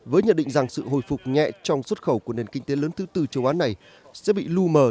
với nhận định rằng sự hồi phục nhẹ trong xuất khẩu của nền kinh tế lớn thứ tư châu á này sẽ bị lưu mờ